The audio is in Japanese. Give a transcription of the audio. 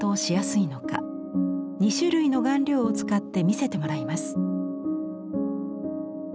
２種類の顔料を使って見せてもらいます。